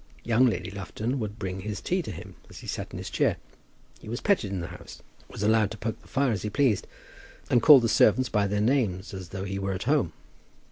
Young Lady Lufton would bring his tea to him as he sat in his chair. He was petted in the house, was allowed to poke the fire if he pleased, and called the servants by their names as though he were at home.